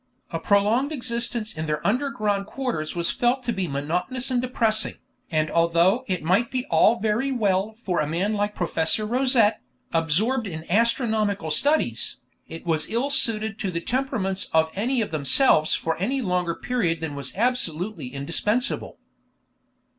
A prolonged existence in their underground quarters was felt to be monotonous and depressing, and although it might be all very well for a man like Professor Rosette, absorbed in astronomical studies, it was ill suited to the temperaments of any of themselves for any longer period than was absolutely indispensable.